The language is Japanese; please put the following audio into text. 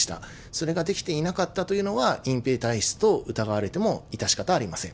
それができていなかったというのは、隠蔽体質と疑われても致し方ありません。